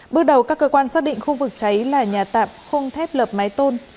bước đầu các cơ quan xác định khu vực cháy là nhà tạm không thép lập máy tôn